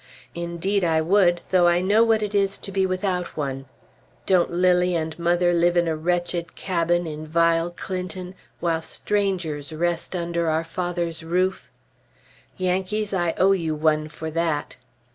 Indeed I would, though I know what it is to be without one. Don't Lilly and mother live in a wretched cabin in vile Clinton while strangers rest under our father's roof? Yankees, I owe you one for that!